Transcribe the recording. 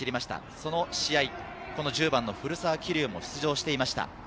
その試合、この１０番の古澤希竜も出場していました。